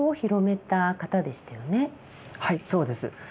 はいそうです。